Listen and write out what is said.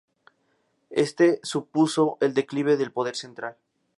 Esto supuso el declive del poder central.